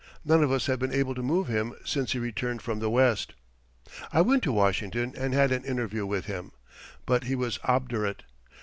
None of us have been able to move him since he returned from the West." I went to Washington and had an interview with him. But he was obdurate.